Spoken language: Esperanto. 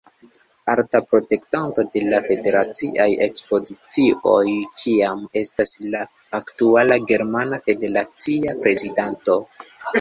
Alta protektanto de la federaciaj ekspozicioj ĉiam estas la aktuala germana federacia prezidanto.